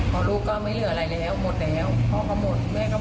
พอลูกก็ไม่เหลืออะไรแล้วหมดแล้ว